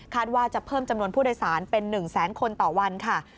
ว่าจะเพิ่มจำนวนผู้โดยสารเป็น๑แสนคนต่อวันค่ะ